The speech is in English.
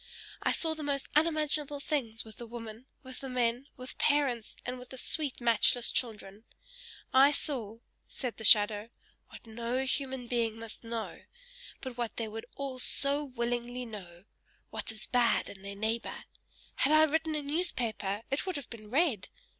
I saw the most unimaginable things with the women, with the men, with parents, and with the sweet, matchless children; I saw," said the shadow, "what no human being must know, but what they would all so willingly know what is bad in their neighbor. Had I written a newspaper, it would have been read!